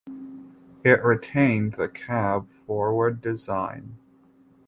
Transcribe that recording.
It retained the cab forward design.